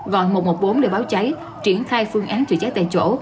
gọn một trăm một mươi bốn để báo cháy triển khai phương án chữa cháy tại chỗ